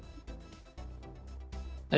tapi itu akan menjadi maksimal untuk penyelesaian